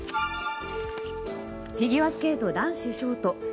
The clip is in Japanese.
フィギュアスケート男子ショート。